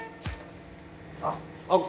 あっ。